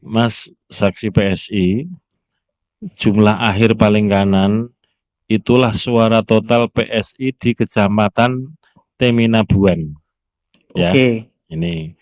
mas saksi psi jumlah akhir paling kanan itulah suara total psi di kecamatan teminabuan